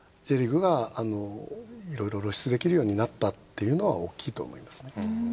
Ｊリーグがいろいろ露出できるようになったっていうのは大きいと思いますね。